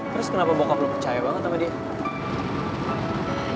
terus kenapa bokap lo percaya banget sama dia